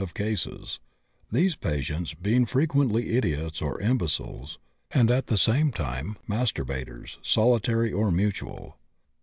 of cases, these patients being frequently idiots or imbeciles and at the same time masturbators, solitary or mutual.